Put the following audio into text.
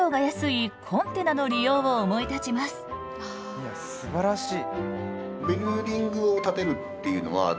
いやすばらしい。